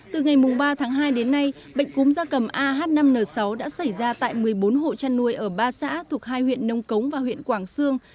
từ ngày ba tháng hai đến nay bệnh cúm gia cầm ah năm n sáu đã xảy ra tại một mươi bốn hộ chăn nuôi ở ba xã thuộc hai huyện nông cống và huyện quảng sương